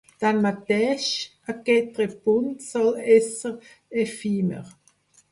Tanmateix, aquest repunt sol ésser efímer.